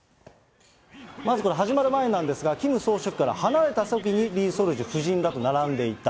まず、始まる前なんですが、キム総書記から離れた席にリ・ソルジュ夫人らと並んでいた。